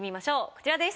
こちらです。